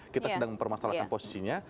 kita sedang mempermasalahkan posisinya